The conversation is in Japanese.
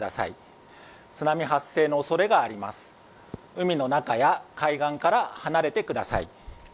海の中や海岸から離れてください。